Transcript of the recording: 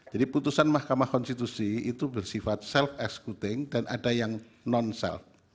jadi putusan mahkamah konstitusi itu bersifat self executing dan ada yang non self